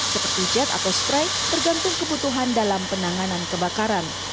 seperti jet atau strike tergantung kebutuhan dalam penanganan kebakaran